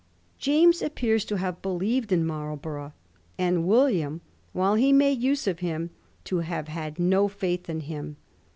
James appears to have believed in Marlborough, and William, while he made use of him, to have had no faith in him.